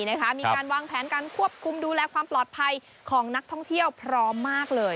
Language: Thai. มีการวางแผนการควบคุมดูแลความปลอดภัยของนักท่องเที่ยวพร้อมมากเลย